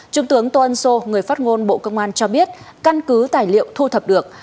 trung tướng toan so người phát ngôn bộ công an cho biết căn cứ tài liệu thu thập được